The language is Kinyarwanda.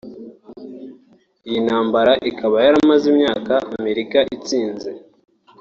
iyi intambara ikaba yaramaze imyaka Amerika itsinze